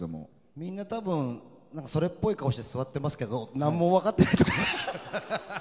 みんな多分それっぽい顔して座ってますけど何も分かってないと思いますよ。